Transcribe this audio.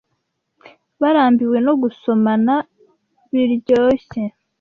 Barambiwe no gusomana biryoshye